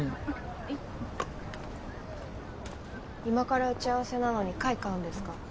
今から打ち合わせなのに貝買うんですか？